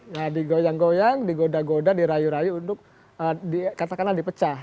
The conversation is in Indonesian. nah digoyang goyang digoda goda dirayu rayu untuk katakanlah dipecah